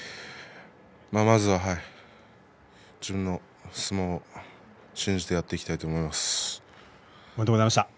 まずは自分の相撲を信じてやっていきたいと思います。